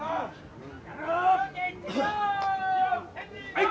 はい！